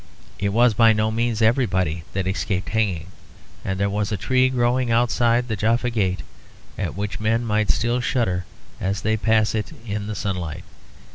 It was by no means everybody that escaped hanging; and there was a tree growing outside the Jaffa Gate at which men might still shudder as they pass it in the sunlight.